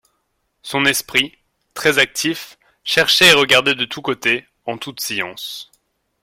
Son esprit, très actif, cherchait et regardait de tous côtés, en toute science.